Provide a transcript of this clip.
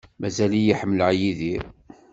Mazal-iyi ḥemmleɣ Yidir.